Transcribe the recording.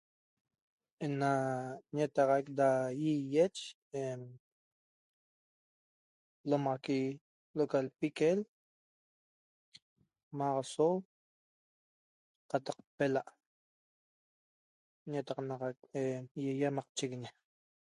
Ena ñetaxaq da yhiee' ena lomaxaqui locaiq lpiquel, maxaso cataq pelaa' ñetaxanaxaq ieieamaqchiguiñe